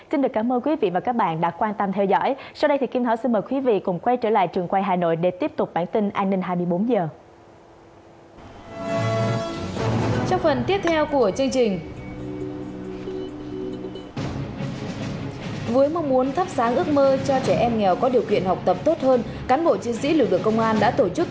hẹn gặp lại các bạn trong những video tiếp theo